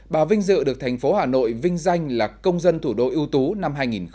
bà vinh dự được thành phố hà nội vinh danh là công dân thủ đô ưu tú năm hai nghìn một mươi chín